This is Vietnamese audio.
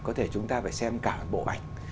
có thể chúng ta phải xem cả bộ ảnh